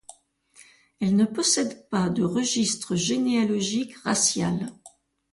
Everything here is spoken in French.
Elle ne possède pas de registre généalogique racial.